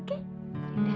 oke ibu antar ya